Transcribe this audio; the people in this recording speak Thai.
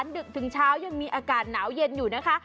ดึกถึงเช้ายังมีอากาศหนาวเย็นอยู่นะคะ